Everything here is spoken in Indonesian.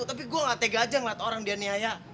tapi gue gak tega aja ngeliat orang dia nihaya